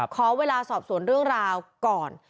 ขอเวลาสอบสวนเรื่องราวก่อน